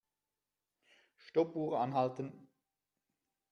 Stoppuhr anhalten.